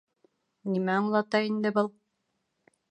Нимә аңлата инде был?